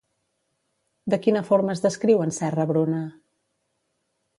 De quina forma es descriu en Serra-Bruna?